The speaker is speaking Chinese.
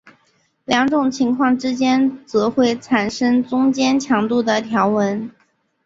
两种情况之间则会产生中间强度的条纹。